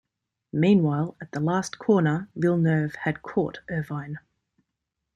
Meanwhile, at the last corner, Villeneuve had caught Irvine.